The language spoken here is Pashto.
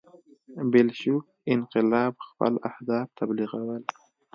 بلشویک انقلاب خپل اهداف تبلیغول.